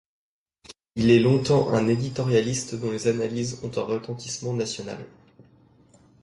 Il est longtemps un éditorialiste dont les analyses ont un retentissement national.